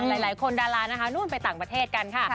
หลายคนดารานะคะนู่นไปต่างประเทศกันค่ะ